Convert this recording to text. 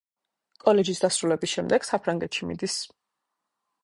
კოლეჯის დასრულების შემდეგ საფრანგეთში მიდის.